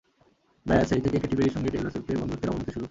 ব্যস, সেই থেকে কেটি পেরির সঙ্গে টেইলর সুইফটের বন্ধুত্বের অবনতির শুরু।